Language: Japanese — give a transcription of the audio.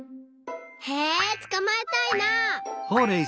へえつかまえたいな！